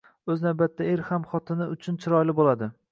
O‘z navbatida, er ham xotini uchun chiroyli bo‘ladi.